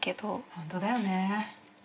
ホントだよね。